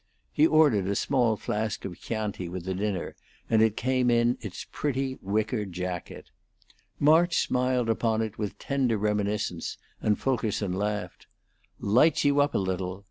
He ordered a small flask of Chianti with the dinner, and it came in its pretty wicker jacket. March smiled upon it with tender reminiscence, and Fulkerson laughed. "Lights you up a little.